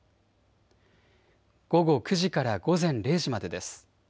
午後９時から午前０時までです。